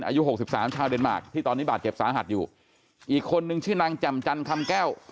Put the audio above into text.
หกสิบสามชาวเดนมาร์คที่ตอนนี้บาดเจ็บสาหัสอยู่อีกคนนึงชื่อนางแจ่มจันคำแก้ว